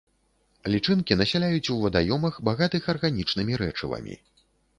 Лічынкі насяляюць у вадаёмах, багатых арганічнымі рэчывамі.